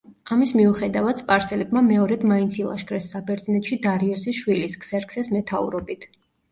ამის მიუხედავად სპარსელებმა მეორედ მაინც ილაშქრეს საბერძნეთში დარიოსის შვილის ქსერქსეს მეთაურობით.